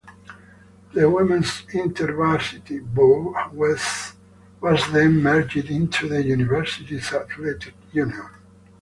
The Women's Inter-Varsity Board was then merged into the Universities Athletic Union.